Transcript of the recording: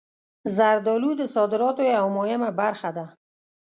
زردالو د صادراتو یوه مهمه برخه ده.